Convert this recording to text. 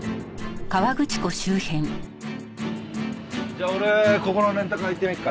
じゃあ俺ここのレンタカー屋行ってみるから。